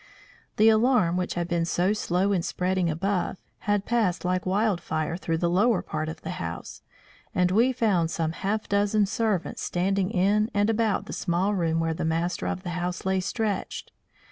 The alarm which had been so slow in spreading above, had passed like wildfire through the lower part of the house, and we found some half dozen servants standing in and about the small room where the master of the house lay stretched.